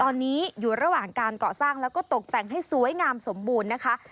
ตอนนี้อยู่ระหว่างการเกาะสร้างแล้วก็ตกแต่งให้สวยงามสมบูรณ์นะคะ